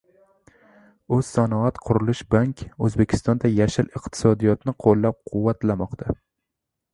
O‘zsanoatqurilishbank O‘zbekistonda yashil iqtisodiyotni qo‘llab-quvvatlamoqda